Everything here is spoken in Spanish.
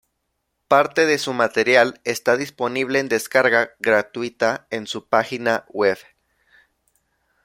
Parte de su material está disponible en descarga gratuita en su página web.